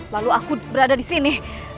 lalu aku berada di sini